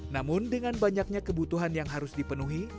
namun dengan banyaknya kebutuhan yang harus dipenuhi